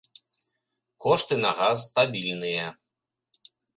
Кошты на газ стабільныя.